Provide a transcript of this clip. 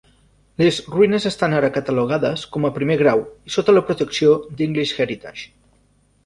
Les ruïnes estan ara catalogades com a primer grau i sota la protecció d'English Heritage.